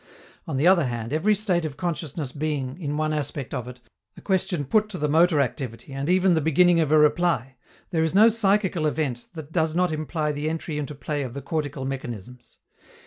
On the other hand, every state of consciousness being, in one aspect of it, a question put to the motor activity and even the beginning of a reply, there is no psychical event that does not imply the entry into play of the cortical mechanisms.